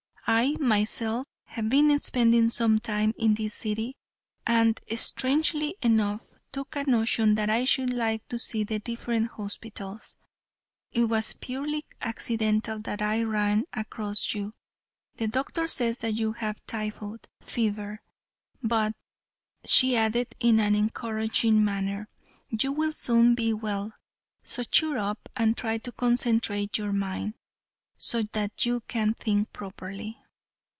"I, myself, have been spending some time in this city, and, strangely enough, took a notion that I should like to see the different hospitals. It was purely accidental that I ran across you. The doctor says you have typhoid fever, but," she added, in an encouraging manner, "you will soon be well. So cheer up, and try to concentrate your mind, so that you can think properly."